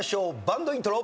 バンドイントロ。